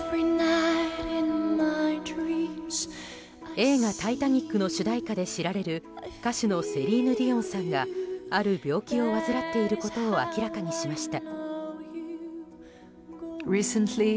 映画「タイタニック」の主題歌で知られる歌手のセリーヌ・ディオンさんがある病気を患っていることを明らかにしました。